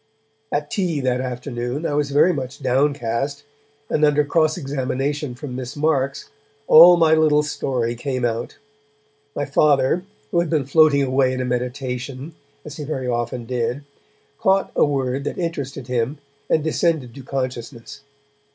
At tea that afternoon, I was very much downcast, and under cross examination from Miss Marks, all my little story came out. My Father, who had been floating away in a meditation, as he very often did, caught a word that interested him and descended to consciousness.